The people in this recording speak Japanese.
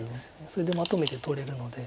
それでまとめて取れるので。